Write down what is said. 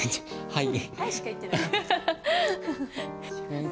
はい。